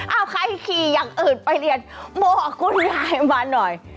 เอาใครขี่อย่างอื่นไปเรียนบอกคุณยายมาหน่อย